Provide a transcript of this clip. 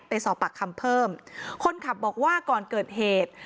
ไปสอบปากคำเพิ่มคนขับบอกว่าก่อนเกิดเหตุ